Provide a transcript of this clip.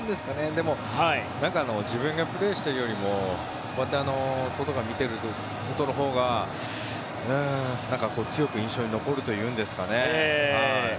でも自分がプレーしているよりもこうやって外から見てることのほうがなんか強く印象に残るというんですかね。